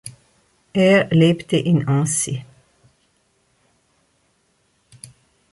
Er lebte in Annecy.